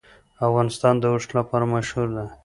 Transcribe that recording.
افغانستان د اوښ لپاره مشهور دی.